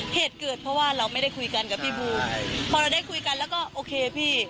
เหตุเกิดเพราะว่าเราไม่ได้คุยกันกับพี่บูมพอเราได้คุยกันแล้วก็โอเคพี่